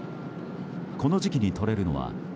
この時期にとれるのは棹